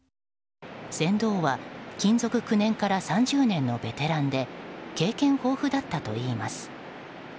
船頭は勤続９年から３０年のベテランで経験豊富だったといいます。